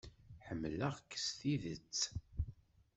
Ḥemmleɣ-k s tidet.